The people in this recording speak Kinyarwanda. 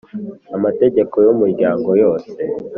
Amategeko y umuryango yose